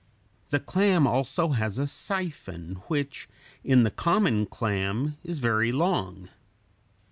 The clam also has a siphon (s), which in the common clam is very long.